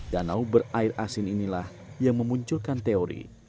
danau berair asin inilah yang memunculkan teori